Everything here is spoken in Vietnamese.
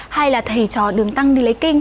hay là thầy trò đường tăng đi lấy kinh